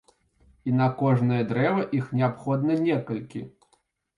І на кожнае дрэва іх неабходна некалькі.